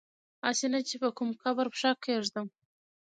هسي نه چي په کوم قبر پښه کیږدم